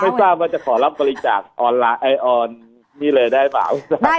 ไม่ทราบว่าจะขอรับบริจาคออนไลน์นี่เลยได้ไหม